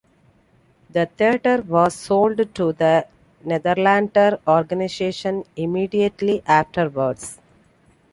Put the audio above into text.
The theatre was sold to the Nederlander Organization immediately afterwards.